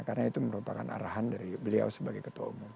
karena itu merupakan arahan dari beliau sebagai ketua umum